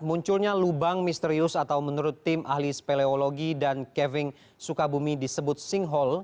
munculnya lubang misterius atau menurut tim ahli speleologi dan keving sukabumi disebut sinkhole